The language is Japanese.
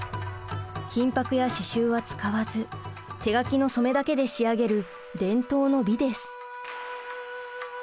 金ぱくや刺しゅうは使わず手描きの染めだけで仕上げる伝統の美です。